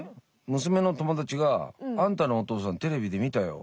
娘の友達が「あんたのお父さんテレビで見たよ」。